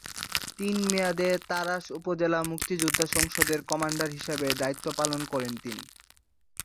তিন মেয়াদে তাড়াশ উপজেলা মুক্তিযোদ্ধা সংসদের কমান্ডার হিসেবে দায়িত্ব পালন করেন তিনি।